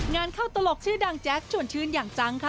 งานเข้าตลกชื่อดังแจ๊สชวนชื่นอย่างจังค่ะ